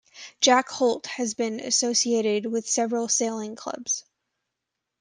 Jack Holt has been associated with several sailing clubs.